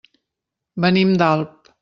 Venim d'Alp.